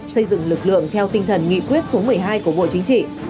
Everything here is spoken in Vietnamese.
xây dựng lực lượng theo tinh thần nghị quyết số một mươi hai của bộ chính trị